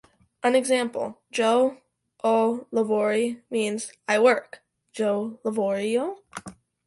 An example: "jo o lavori" means "I work"; "jo lavorio?